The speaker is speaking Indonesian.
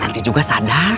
nanti juga sadar